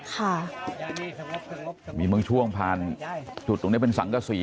ค่ะมีบางช่วงผ่านจุดตรงนี้เป็นสังกษี